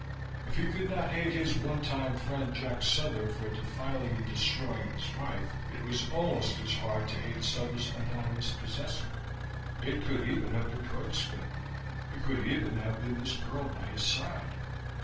If he could not hate his onetime friend Jack Souther for defiling and destroying his wife, it was almost as hard to hate Souther's anonymous possessor. It could even have been Koitska. It could even have been this girl by his side.